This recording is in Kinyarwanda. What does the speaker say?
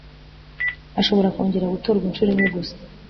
ashobora kongera gutorwa inshuro imwe gusa